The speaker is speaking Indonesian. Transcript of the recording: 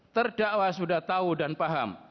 terdakwa sudah tahu dan paham